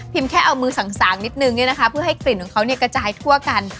แค่เอามือสางนิดนึงเพื่อให้กลิ่นของเขากระจายทั่วกัน